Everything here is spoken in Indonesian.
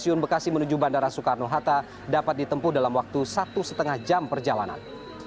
stasiun bekasi menuju bandara soekarno hatta dapat ditempuh dalam waktu satu lima jam perjalanan